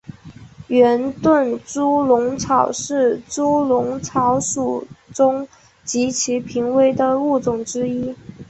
圆盾猪笼草是猪笼草属中极其濒危的物种之一。